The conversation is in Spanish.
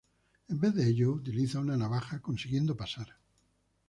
En vez de ello, utiliza una navaja, consiguiendo pasar.